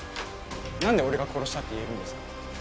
何で俺が殺したって言えるんですか？